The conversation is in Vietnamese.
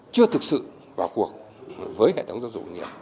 chưa thực sự vào cuộc với hệ thống giáo dục nghề nghiệp